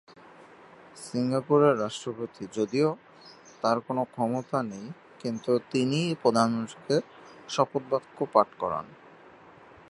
সিঙ্গাপুরের রাষ্ট্রপতি যদিও তার কোনো ক্ষমতা নেই কিন্তু তিনিই প্রধানমন্ত্রীকে শপথ বাক্য পাঠ করান।